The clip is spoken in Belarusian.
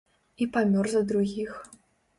І памёр за другіх.